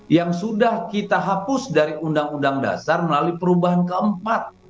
yang sudah kita hapus dari undang undang dasar melalui perubahan keempat